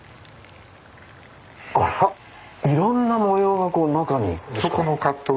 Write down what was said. あらいろんな模様が中に。